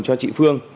cho chị phương